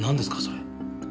それ。